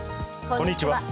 こんにちは。